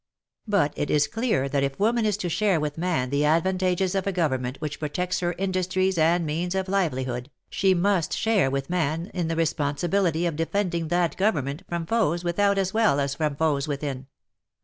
But it is clear that if woman is to share with man the ad vantages of a government which protects her industries and means of livelihood, she must share with man in the responsibility of defend ing that government from foes without as well as from foes within.